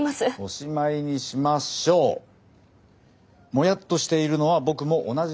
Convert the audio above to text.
おしまいにしましょう。もやっとしているのは僕も同じです。